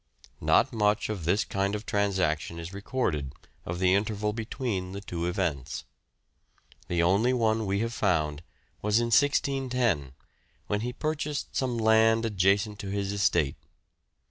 Not much of this kind of transaction is recorded of the interval between the two events. The only one we have found was in 1610, when he purchased some land adjacent to his estate.